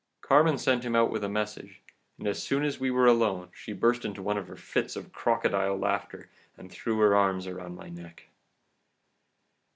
Carmen sent him out with a message, and as soon as we were alone she burst into one of her fits of crocodile laughter and threw her arms around my neck.